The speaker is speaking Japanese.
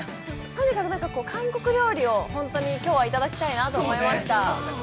とにかく韓国料理を本当にきょうはいただきたいなと思いました。